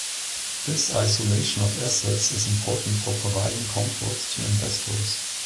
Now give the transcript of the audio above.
This isolation of assets is important for providing comfort to investors.